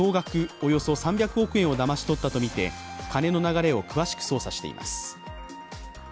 およそ３００億円をだまし取ったとみて金の流れを詳しく捜査しています。